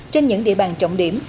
trên những địa bàn trọng điểm